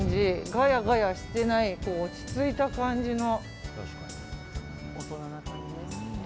ガヤガヤしていない落ち着いた感じの。